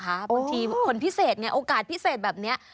บางทีคนพิเศษเนี่ยโอกาสพิเศษแบบนี้